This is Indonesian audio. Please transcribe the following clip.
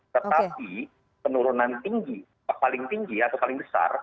tetapi penurunan tinggi paling tinggi atau paling besar